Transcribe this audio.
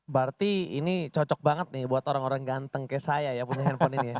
berarti ini cocok banget nih buat orang orang ganteng kayak saya ya punya handphone ini ya